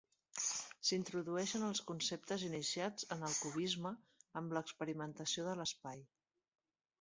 S'introdueixen els conceptes iniciats en el cubisme amb l'experimentació de l'espai.